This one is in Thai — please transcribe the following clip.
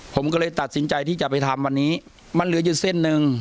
ผมก็เลยตัดสินใจที่จะไปทำวันนี้มันเหลืออยู่เส้นหนึ่ง